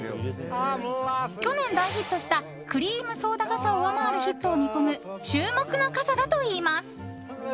去年、大ヒットしたクリームソーダ傘を上回るヒットを見込む注目の傘だといいます。